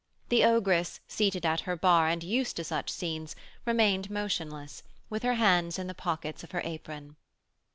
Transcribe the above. The ogress, seated at her bar, and used to such scenes, remained motionless, with her hands in the pockets of her apron.